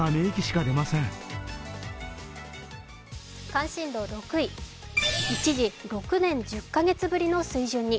関心度６位、一時、６年１０カ月ぶりの水準に。